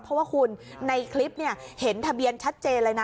เพราะว่าคุณในคลิปเห็นทะเบียนชัดเจนเลยนะ